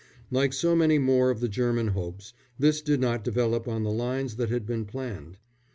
Like so many more of the German hopes, this did not develop on the lines that had been planned.